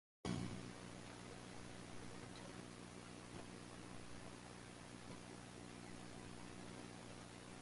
The Yankee migrants would be the dominant political class in Wisconsin for many years.